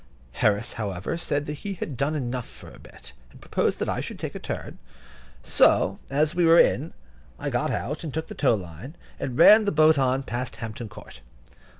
Harris, however, said he had done enough for a bit, and proposed that I should take a turn; so, as we were in, I got out and took the tow line, and ran the boat on past Hampton Court.